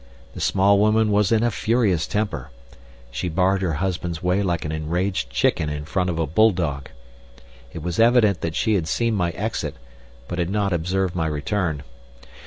The small woman was in a furious temper. She barred her husband's way like an enraged chicken in front of a bulldog. It was evident that she had seen my exit, but had not observed my return.